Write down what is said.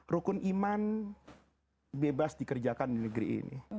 rukun iman bebas dikerjakan di negeri ini